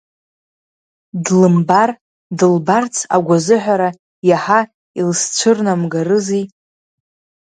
Длымбар дылбарц агәазыҳәара иаҳа илызцәырнамгарызи.